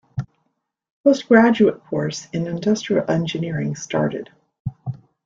Postgraduate course in Industrial Engineering started.